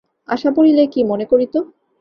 আশা পড়িলে কী মনে করিত।